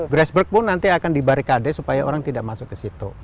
gresberg pun nanti akan dibarikade supaya orang tidak masuk ke situ